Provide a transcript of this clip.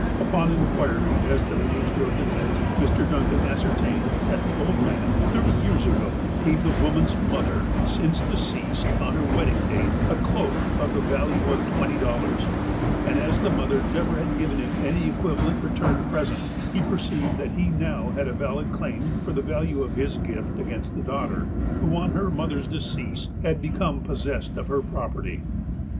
Upon inquiry as to the nature of the debt, Mr. Duncan ascertained that the old man, thirty years FLOTSAM AND JETSAM 345 ago, gave the woman's motlier, since deceased, on her wedding day, a cloak of the value of twenty dollars, and as the mother never had given him any equivalent return present, he perceived that he now had a valid claim for the value of his gift against the daughter, who, on her mother's decease, had become possessed of her property.